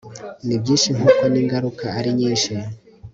nibyinshi nkuko ningaruka ari nyinshi